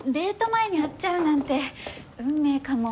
前に会っちゃうなんて運命かも。